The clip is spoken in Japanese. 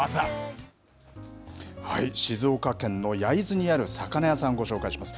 静岡県の焼津にある魚屋さん、ご紹介します。